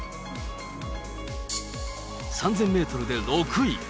３０００メートルで６位。